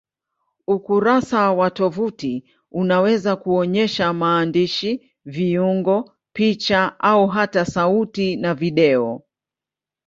Ukurasa wa tovuti unaweza kuonyesha maandishi, viungo, picha au hata sauti na video.